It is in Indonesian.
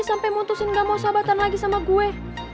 sampai mutusin gak mau sahabatan lagi sama gue